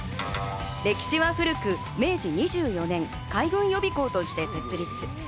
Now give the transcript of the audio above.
歴史は古く明治２４年、海軍予備校として設立。